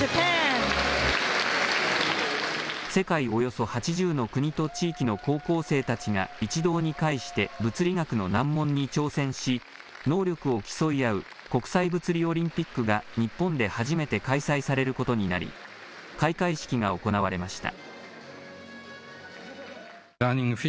世界、およそ８０の国と地域の高校生たちが一堂に会して物理学の難問に挑戦し能力を競い合う国際物理オリンピックが日本で初めて開催されることになり開会式が行われました。